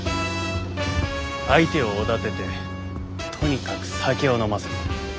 相手をおだててとにかく酒を飲ませる。